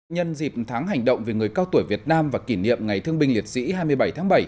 nhân dịp tháng hành động về người cao tuổi việt nam và kỷ niệm ngày thương binh liệt sĩ hai mươi bảy tháng bảy